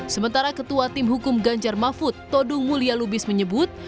sementara ketua tim hukum ganjar mahfud todung mulya lubis menyebut